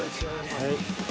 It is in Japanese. はい。